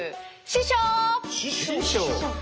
師匠。